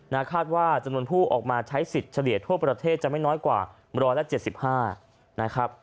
คาดว่าจำนวนผู้ออกมาใช้สิทธิ์เฉลี่ยทั่วประเทศจะไม่น้อยกว่า๑๗๕นะครับ